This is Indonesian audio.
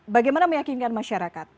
bagaimana meyakinkan masyarakat